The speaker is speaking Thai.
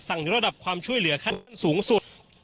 ระดับความช่วยเหลือขั้นสูงสุด